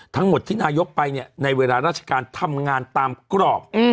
ทั้งหมดที่นายกไปเนี่ยในเวลาราชการทำงานตามกรอบ